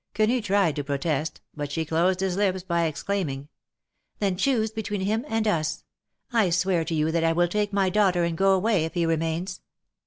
Quenu tried to protest, but she closed his lips by exclaiming : ^^Then choose between him and us. I swear to you that I will take my daughter and go away, if he remains.